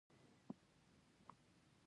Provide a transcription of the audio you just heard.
آیا پښتون به تل پښتون نه وي؟